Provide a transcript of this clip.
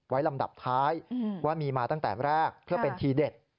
ลำดับท้ายว่ามีมาตั้งแต่แรกเพื่อเป็นทีเด็ด